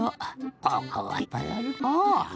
ここはいっぱいあるのう。